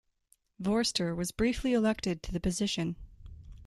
Vorster was briefly elected to the position.